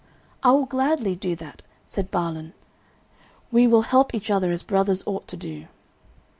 "I will gladly do that," said Balan; "we will help each other as brothers ought to do."